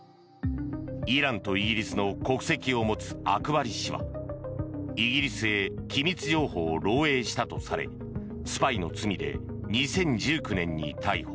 イランとイギリスの国籍を持つアクバリ氏はイギリスへ機密情報を漏えいしたとされスパイの罪で２０１９年に逮捕。